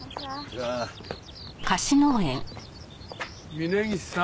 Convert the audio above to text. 峯岸さん。